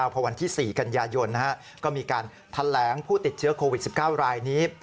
พอวันที่๔กันยายนก็มีการแถลงผู้ติดเชื้อโควิด๑๙รายนี้